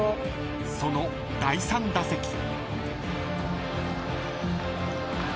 ［その第３打席］